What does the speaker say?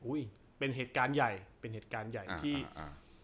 เป็นเหตุการณ์ใหญ่เป็นเหตุการณ์ใหญ่ที่อ่า